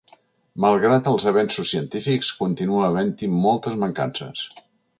Malgrat els avenços científics, continua havent-hi moltes mancances.